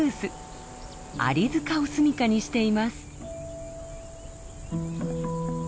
アリ塚を住みかにしています。